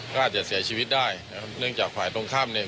ก็อาจจะเสียชีวิตได้นะครับเนื่องจากฝ่ายตรงข้ามเนี่ย